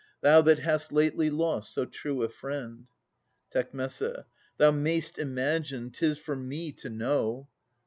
Thou that hast fately lost so true a friend. Tec. Thou may'st imagine; 'tis for me to know.